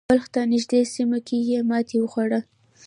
بلخ ته نږدې سیمه کې یې ماتې وخوړه.